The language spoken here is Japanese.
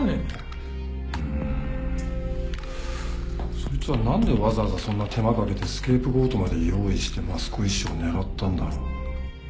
そいつは何でわざわざそんな手間かけてスケープゴートまで用意して益子医師を狙ったんだろう？